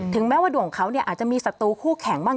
แม้ว่าดวงเขาเนี่ยอาจจะมีศัตรูคู่แข่งบ้าง